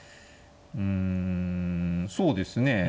うんそうですね